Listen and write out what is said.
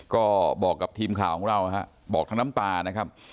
ก็บอกกับทีมข่าวของเราฮะบอกทั้งน้ำตานะครับ